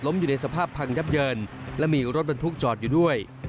อยู่ในสภาพพังยับเยินและมีรถบรรทุกจอดอยู่ด้วย